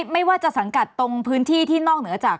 ไม่ว่าจะสังกัดตรงพื้นที่ที่นอกเหนือจาก